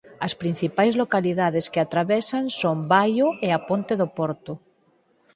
As principais localidades que atravesa son Baio e A Ponte do Porto.